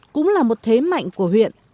cũng là một thế mạnh của huyện